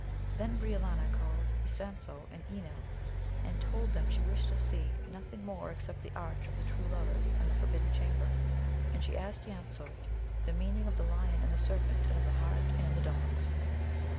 Then Briolania called Ysanjo and Enil, and told them she wished to see nothing more except the Arch of True Lovers and the Forbidden Chamber, and she asked Ysanjo the meaning of the lion and serpent, and of the hart and the dogs.